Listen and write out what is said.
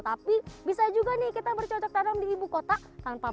tapi bisa juga nih kita bercocok tanam di ibu kota